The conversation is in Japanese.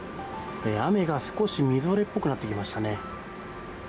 雨が少しみぞれっぽくなってきましたね。